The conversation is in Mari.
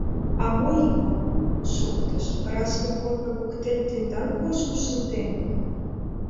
— А мо, Иван, — шоктыш, — разве корно воктен тендан кожым шынденыт?..